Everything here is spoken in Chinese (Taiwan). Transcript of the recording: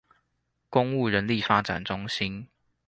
公務人力發展中心